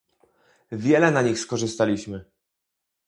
Wiele na nich skorzystaliśmy!